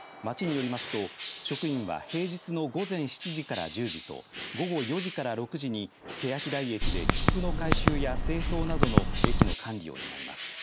町によりますと職員は平日の午前７時から１０時と午後４時から６時にけやき台駅で切符の回収や清掃などの駅のの管理を担います。